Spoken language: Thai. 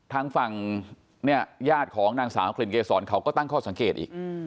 ทางฝั่งเนี่ยญาติของนางสาวกลิ่นเกษรเขาก็ตั้งข้อสังเกตอีก